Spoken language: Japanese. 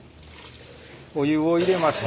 お湯を入れまして。